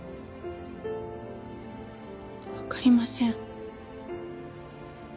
分かりません。